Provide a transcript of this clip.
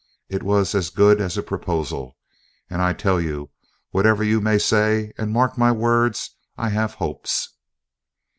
It was as good as a proposial. And, I tell you, whatever you may say and mark my words I 'ave 'opes!"